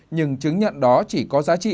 nhưng chứng nhận đó chỉ có giá trị